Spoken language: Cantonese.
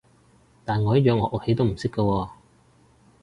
但我一樣樂器都唔識㗎喎